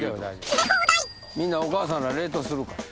みんなお母さんら冷凍するから。